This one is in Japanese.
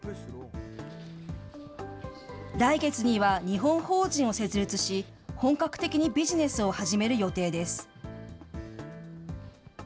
来月には日本法人を設立し、本格的にビジネスを始める予定です。